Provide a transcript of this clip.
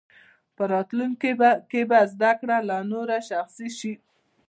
په راتلونکي کې به زده کړه لا نوره شخصي شي.